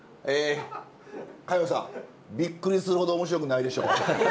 佳代さんびっくりするほど面白くないでしょ。